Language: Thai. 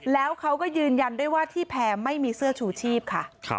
แล้วเขาก็ยืนยันด้วยว่าที่แพร่ไม่มีเสื้อชูชีพค่ะ